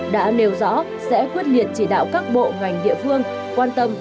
đã nêu rõ sẽ quyết liệt chỉ đạo các bộ ngành địa phương quan tâm